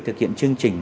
thực hiện chương trình